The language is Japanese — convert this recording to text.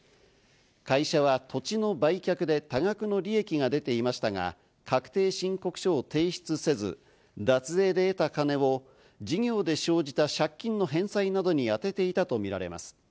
会社は土地の売却で多額の利益が出ていましたが、確定申告書を提出せず、脱税で得た金を事業で生じた、借金の返済などに充てていたと見られます。